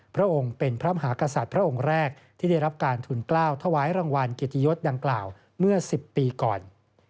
พระองค์เป็นพระมหากษัตริย์พระองค์แรกที่ได้รับการทุนกล้าวถวายรางวัลเกียรติยศดังกล่าวเมื่อ๑๐ปีก่อน